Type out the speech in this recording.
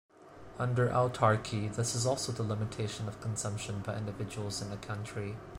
Under autarky this is also the limitation of consumption by individuals in the country.